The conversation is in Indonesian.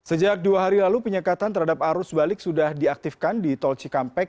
sejak dua hari lalu penyekatan terhadap arus balik sudah diaktifkan di tol cikampek